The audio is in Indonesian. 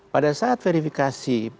pada saat verifikasi